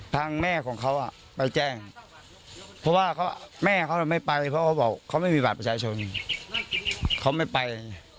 แม่ของเขาไปแจ้งเพราะว่าแม่เขาไม่ไปเพราะเขาบอกเขาไม่มีบัตรประชาชนเขาไม่ไป